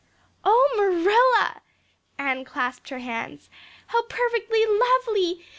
"Oh, Marilla!" Anne clasped her hands. "How perfectly lovely!